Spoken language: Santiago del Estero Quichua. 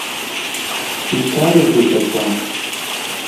picaru supay kan